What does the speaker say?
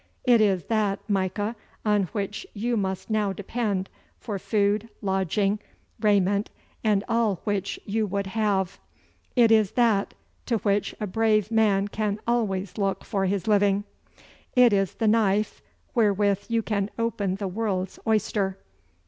It is that, Micah, on which you must now depend for food, lodging, raiment, and all which you would have. It is that to which a brave man can always look for his living. It is the knife wherewith you can open the world's oyster.